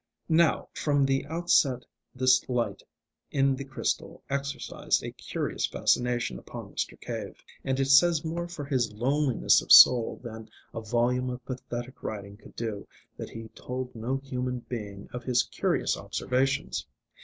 Now, from the outset this light in the crystal exercised a curious fascination upon Mr. Cave. And it says more for his loneliness of soul than a volume of pathetic writing could do, that he told no human being of his curious observations.